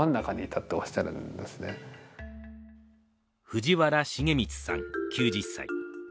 藤原茂実さん９０歳。